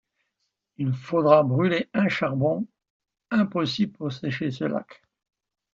Il faudra brûler un charbon impossible pour sécher ce lac.